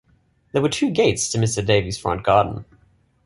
There were two gates to Mr. Davey's front garden.